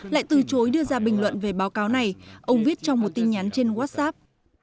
lại từ chối đưa ra bình luận về báo cáo này ông viết trong một tin nhắn trên whatsapp